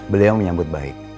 beliau menyambut baik